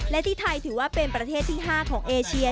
และที่ไทยถือว่าเป็นประเทศที่๕ของเอเชีย